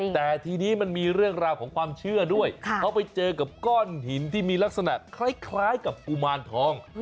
แต่ทีนี้มันมีเรื่องราวของความเชื่อด้วยเขาไปเจอกับก้อนหินที่มีลักษณะคล้ายกับกุมารทอง